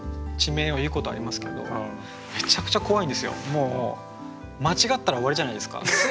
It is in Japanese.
もう間違ったら終わりじゃないですか。